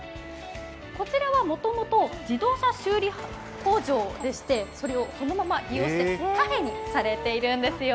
こちらはもともと自動車修理工場でして、それをそのまま利用してカフェにされているんですよ。